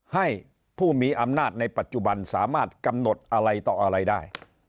ให้ผู้มีอำนาจในปัจจุบันสามารถกำหนดอะไรต่ออะไรได้